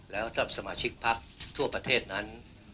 แล้วถ้าสมาชิกพักทั่วประเทศนั้น